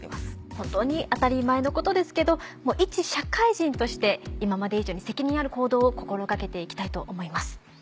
本当に当たり前のことですけどいち社会人として今まで以上に責任ある行動を心掛けて行きたいと思います。